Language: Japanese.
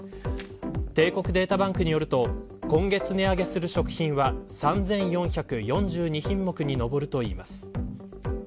帝国データバンクによると今月、値上げする食品は３４４２品目に上るといいます。